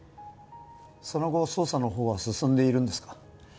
その後捜査のほうは進んでいるんですか？